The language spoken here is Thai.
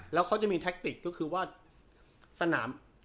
แล้วเขาจะมีแทคติกก็คือว่า